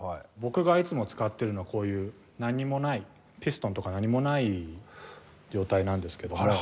僕がいつも使ってるのはこういう何もないピストンとか何もない状態なんですけども。